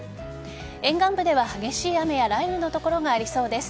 沿岸部では、激しい雨や雷雨の所がありそうです。